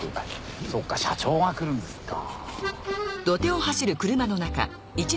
そうか社長が来るんですか。